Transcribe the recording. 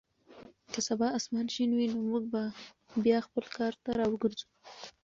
که سبا اسمان شین وي نو موږ به بیا خپل کار ته راوګرځو.